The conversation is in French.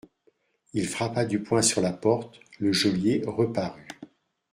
Il frappa du poing sur la porte, le geôlier reparut.